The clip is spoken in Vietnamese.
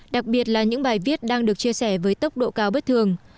đặc biệt là những bài viết đang được chia sẻ với tốc độ cao bất thường